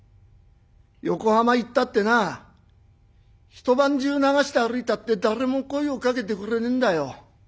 横浜行ったってな一晩中流して歩いたって誰も声をかけてくれねえんだよ。